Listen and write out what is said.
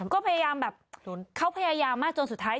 ก็พยายามแบบเขาพยายามมากจนสุดท้าย